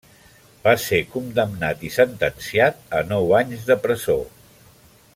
Va ser condemnat i sentenciat a nou anys de presó.